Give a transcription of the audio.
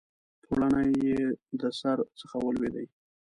پوړنی یې د سر څخه ولوېدی